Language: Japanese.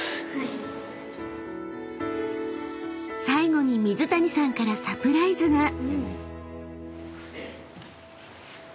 ［最後に水谷さんからサプライズが］